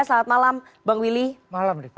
selamat malam bang willy